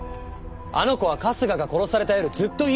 あの子は春日が殺された夜ずっと家にいたんです。